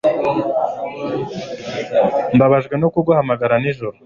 Mbabajwe no kuguhamagara nijoro